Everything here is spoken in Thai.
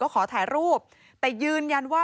ขอถ่ายรูปแต่ยืนยันว่า